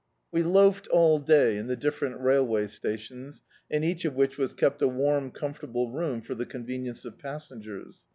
We loafed all day in die different railway sutions, in each of which was kept a warm comfortable room for the convenience of passengers.